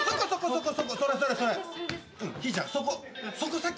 そこそこそこそこ！